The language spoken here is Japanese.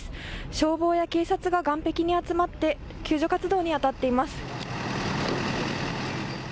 消防や警察が岸壁に集まって救助活動にあたっています。